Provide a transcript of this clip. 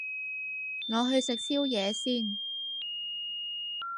我去食宵夜先